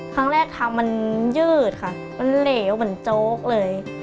ครั้งแรกทางมันยืดค่ะมันเหลวเหมือนโจ๊กเลย